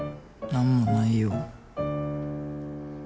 何もないよ。